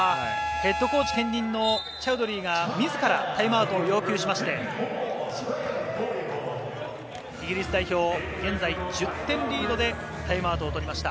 ヘッドコーチ兼任のチャウドリーが自らタイムアウトを要求しまして、イギリス代表、現在１０点リードでタイムアウトを取りました。